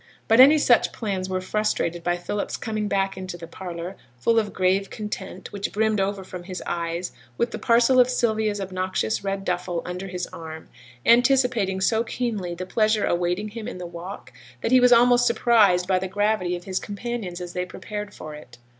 But any such plans were frustrated by Philip's coming back into the parlour, full of grave content, which brimmed over from his eyes, with the parcel of Sylvia's obnoxious red duffle under his arm; anticipating so keenly the pleasure awaiting him in the walk, that he was almost surprised by the gravity of his companions as they prepared for it.